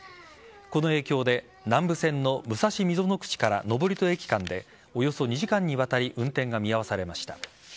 この影響で南武線の武蔵溝ノ口から登戸駅間でおよそ２時間にわたり運転が見合わされました。